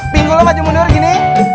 pinggul maju mundur gini